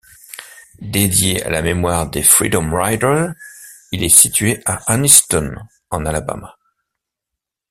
Dédié à la mémoire des Freedom Riders, il est situé à Anniston, en Alabama.